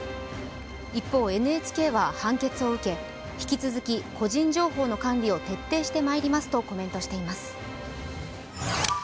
一方、ＮＨＫは判決を受け引き続き個人情報の管理を徹底してまいりますとコメントしています。